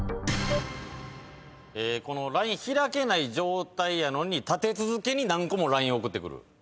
ＬＩＮＥ開けない状態やのに立て続けに何個もＬＩＮＥ送ってくる。